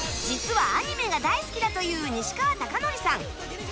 実はアニメが大好きだという西川貴教さん